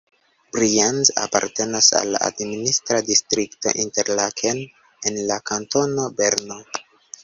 Brienz apartenas al la administra distrikto Interlaken en la kantono Berno.